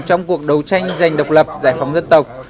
trong cuộc đấu tranh giành độc lập giải phóng dân tộc